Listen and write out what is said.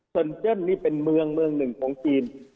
เซินเจิ้นนี่เป็นเมืองหนึ่งของจีน